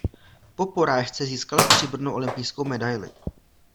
Po porážce získal stříbrnou olympijskou medaili.